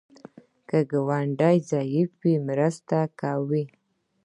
که ګاونډی ضعیف وي، مرسته کوه